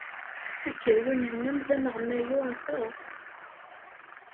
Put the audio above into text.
Akeryun-nnem d aneɣmayu aṭas.